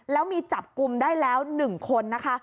แล้วมีจับกลุ่มได้แล้ว๑คนนะคะ